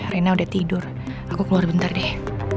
rena udah tidur aku keluar bentar deh